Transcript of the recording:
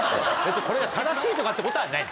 これが正しいとかってことはない。